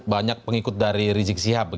banyak pengikut dari rizik sihab